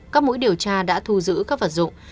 các mũi điều tra đã thu giữ các vật dụng